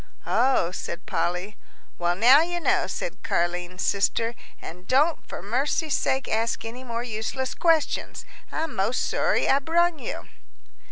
"Oh," said Polly. "Well, now you know," said Car'line's sister, "an' don't for mercy's sakes ask any more useless questions. I'm most sorry I brung you."